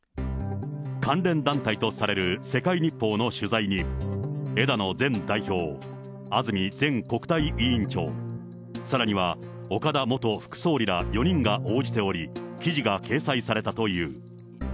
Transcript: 関連団体とされる世界日報の取材に、枝野前代表、安住前国対委員長、さらには岡田元副総理ら４人が応じており、記事が掲載されたという。